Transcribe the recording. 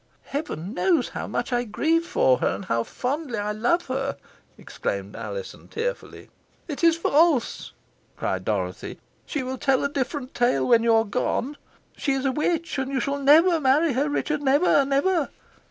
"Heaven knows how much I grieve for her, and how fondly I love her!" exclaimed Alizon, tearfully. "It is false!" cried Dorothy. "She will tell a different tale when you are gone. She is a witch, and you shall never marry her, Richard never! never!"